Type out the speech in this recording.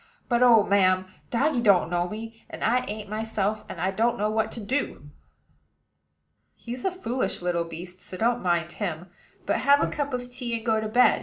But, oh, ma'am! doggy don't know me; and I ain't myself, and I don't know what to do." "He's a foolish little beast; so don't mind him, but have a cup of tea, and go to bed.